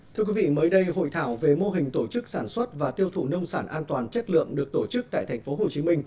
thực sự là lực lượng an toàn chất lượng được tổ chức tại tp hcm